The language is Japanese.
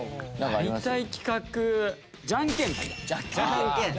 やりたい企画じゃんけんかな。